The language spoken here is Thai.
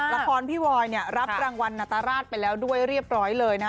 ละครพี่บอยเนี่ยรับรางวัลนาตราชไปแล้วด้วยเรียบร้อยเลยนะ